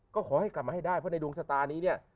ก็ขอให้กลับมาให้ได้เพราะในดวงชะตานี้เนี่ย